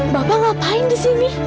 bapak ngapain disini